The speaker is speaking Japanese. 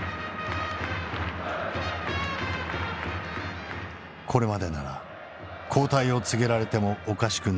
これまでなら交代を告げられてもおかしくない内容。